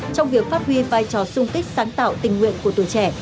trong việc phát huy vai trò sung kích sáng tạo tình nguyện của tuổi trẻ